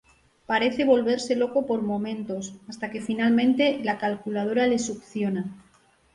Parece volverse loco por momentos, hasta que finalmente la calculadora le succiona.